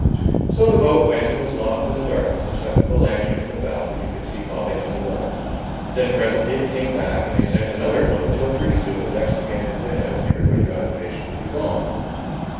So the boat went and was lost in the darkness except for the lantern in the bow that you could see bobbing on the water. Then presently it came back and they sent another load, till pretty soon the decks began to thin out and everybody got impatient to be gone.